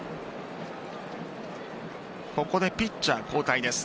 ここでピッチャー交代です。